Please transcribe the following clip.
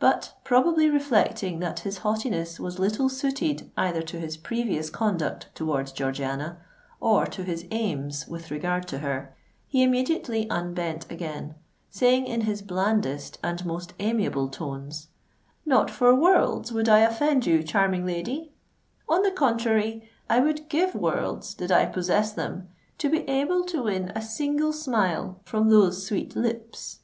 But, probably reflecting that his haughtiness was little suited either to his previous conduct towards Georgiana or to his aims with regard to her, he immediately unbent again, saying in his blandest and most amiable tones, "Not for worlds would I offend you, charming lady: on the contrary, I would give worlds, did I possess them, to be able to win a single smile from those sweet lips."